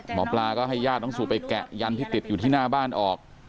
หมอปลาก็ให้ญาติน้องสู่ไปแกะยันที่ติดอยู่ที่หน้าบ้านออก